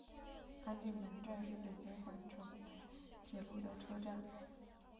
安定门站是北京环城铁路的车站。